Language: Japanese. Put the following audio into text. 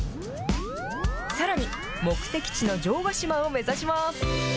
さらに、目的地の城ヶ島を目指します。